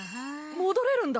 戻れるんだ。